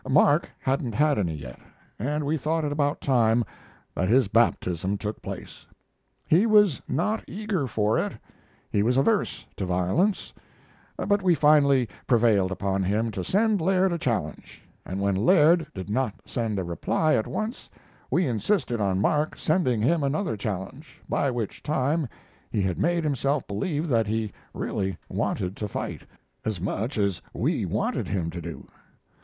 Mark hadn't had any yet, and we thought it about time that his baptism took place. He was not eager for it; he was averse to violence, but we finally prevailed upon him to send Laird a challenge, and when Laird did not send a reply at once we insisted on Mark sending him another challenge, by which time he had made himself believe that he really wanted to fight, as much as we wanted him to do.